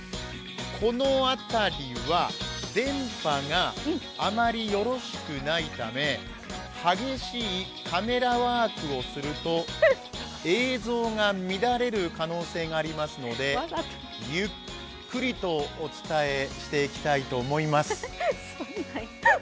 この辺りは電波があまりよろしくないため激しいカメラワークをすると映像が乱れる可能性がありますのでゆっくりとお伝えしていきたいと思います。